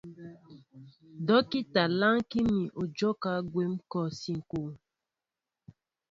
Dɔ́kita lánkí nín ú dyɔ́kɛ́ gwɛ̌m kɔsi ŋ̀kwoo.